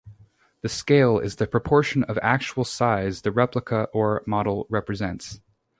The 'scale' is the proportion of actual size the replica or model represents.